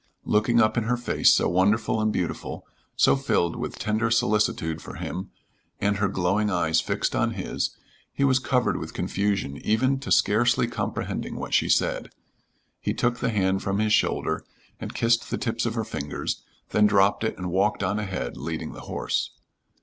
Looking up in her face so wonderful and beautiful, so filled with tender solicitude for him, and her glowing eyes fixed on his, he was covered with confusion even to scarcely comprehending what she said. He took the hand from his shoulder and kissed the tips of her fingers, then dropped it and walked on ahead, leading the horse.